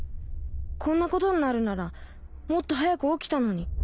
こんなことになるんならもっと早く起きたのに